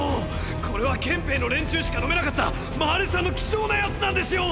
これは憲兵の連中しか飲めなかったマーレ産の希少なやつなんですよ！